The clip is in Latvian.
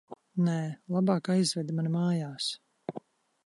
Nē, labāk aizved mani mājās.